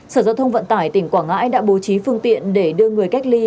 sở giao thông vận tải tỉnh quảng ngãi đã bố trí phương tiện để đưa người cách ly